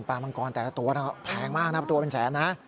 มังกรแต่ละตัวแพงมากนะตัวเป็นแสนนะ